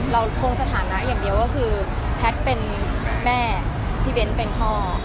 คงสถานะอย่างเดียวก็คือแพทย์เป็นแม่พี่เบ้นเป็นพ่อ